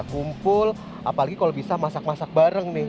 kumpul apalagi kalau bisa masak masak bareng nih